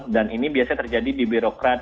dan ini biasanya terjadi di birokrat